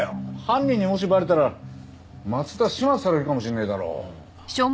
犯人にもしバレたら松田始末されるかもしれねえだろ。